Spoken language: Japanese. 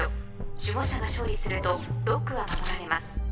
守護者が勝利するとロックは守られます。